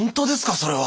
それは！